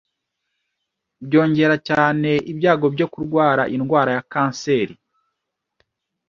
byongera cyane ibyago byo kurwara indwara ya kanseri